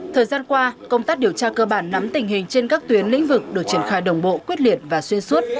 thời gian qua công tác điều tra cơ bản nắm tình hình trên các tuyến lĩnh vực được triển khai đồng bộ quyết liệt và xuyên suốt